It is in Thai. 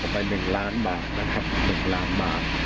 ไป๑ล้านบาทนะครับ